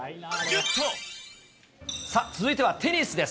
続いてはテニスです。